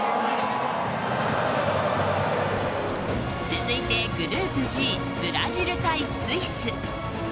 続いてグループＧブラジル対スイス。